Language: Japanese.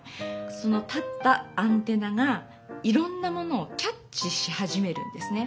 その立ったアンテナがいろんなものをキャッチしはじめるんですね。